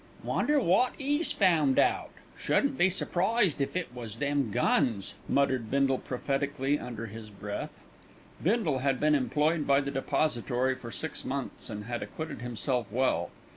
"Wonder wot 'e's found out. Shouldn't be surprised if it was them guns," muttered Bindle prophetically under his breath. Bindle had been employed by the Depository for six months, and had acquitted himself well.